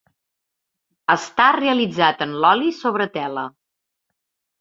Està realitzat en l'oli sobre tela.